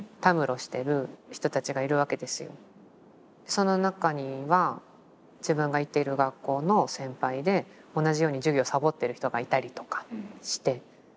その中には自分が行っている学校の先輩で同じように授業サボってる人がいたりとかして。